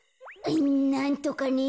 なんとかね。